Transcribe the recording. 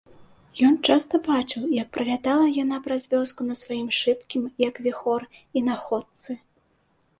Ён часта бачыў, як пралятала яна праз вёску на сваім шыбкім, як віхор, інаходцы.